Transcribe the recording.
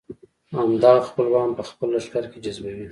همدغه خپلوان په خپل لښکر کې جذبوي.